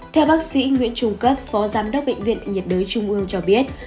theo bác sĩ nguyễn trung cấp phó giám đốc bệnh viện nhiệt đới trung ương cho biết